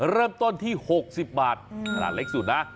เริ่มต้นที่๖๐บาทขนาดเล็กสุดนะ